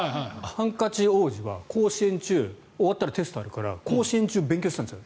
ハンカチ王子は甲子園中終わったらテストがあるから甲子園中、勉強したんですよ。